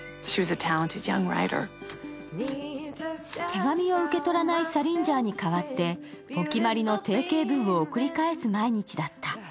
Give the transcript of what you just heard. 手紙を受け取らないサリンジャーに代わって、お決まりの定型文を送り返す毎日だった。